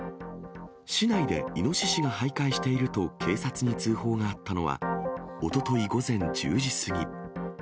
市内でイノシシがはいかいしていると警察に通報があったのは、おととい午前１０時過ぎ。